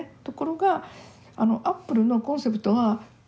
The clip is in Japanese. ところがアップルのコンセプトは。